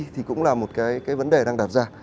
thì cũng là một cái vấn đề đang đặt ra